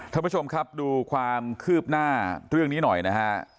ท่านผู้ชมครับดูความคืบหน้าเรื่องนี้หน่อยนะฮะ